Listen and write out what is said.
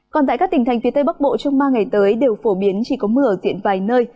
còn tại các tỉnh thành phía tây bắc bộ trong ba ngày tới đều phổ biến chỉ có mưa ở diện vài nơi